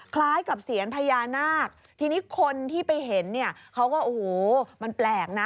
คล้ายกับเสียญพญานาคทีนี้คนที่ไปเห็นเนี่ยเขาก็โอ้โหมันแปลกนะ